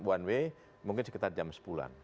one way mungkin sekitar jam sepuluhan